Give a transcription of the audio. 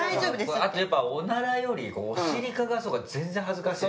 あとやっぱおならよりお尻嗅がすほうが全然恥ずかしいですから。